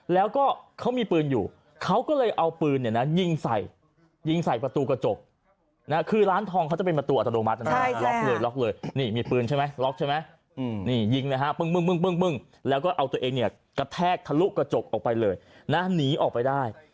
แล้วก็เอาตัวเองกระแทกทะลุกระจกออกไปเลยนี่ออกไปได้